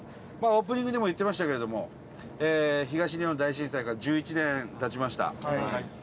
オープニングでも言ってましたけれども東日本大震災から１１年経ちました。